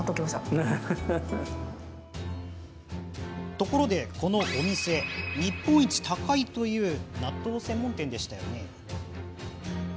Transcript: ところでこのお店、日本一高いという納豆専門店でしたよね。